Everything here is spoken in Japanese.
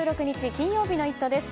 金曜日の「イット！」です。